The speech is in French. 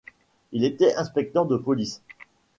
Il était inspecteur de police.